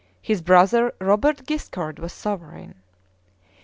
his brother Robert Guiscard was sovereign.